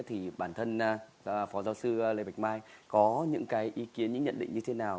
thì bản thân phó giáo sư lê bạch mai có những cái ý kiến những nhận định như thế nào